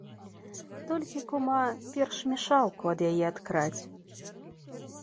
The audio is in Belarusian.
Толькі, кума, перш мешалку ад яе адкрадзь.